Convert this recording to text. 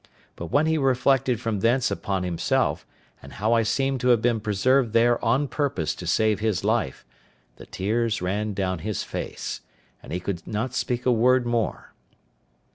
But when he reflected from thence upon himself, and how I seemed to have been preserved there on purpose to save his life, the tears ran down his face, and he could not speak a word more.